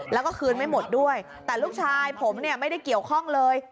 แล้วก็คืนไม่หมดด้วยแต่ลูกชายผมเนี่ยไม่ได้เกี่ยวข้องเลย